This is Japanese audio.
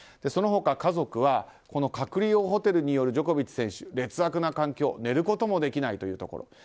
その他、家族は隔離用ホテルにいるジョコビッチ選手、劣悪な環境寝ることもできないというところ。